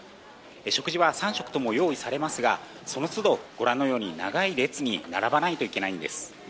食事は３食とも用意されますがその都度、ご覧のように長い列に並ばないといけないんです。